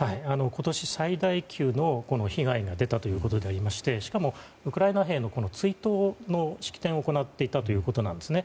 今年最大級の被害が出たということでしかもウクライナ兵の追悼の式典を行っていたということなんですね。